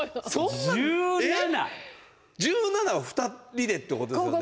１７を２人でってことですよね？